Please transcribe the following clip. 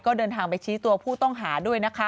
ก็เดินทางไปชี้ตัวผู้ต้องหาด้วยนะคะ